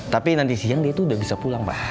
tapi nanti siang dia itu udah bisa pulang pak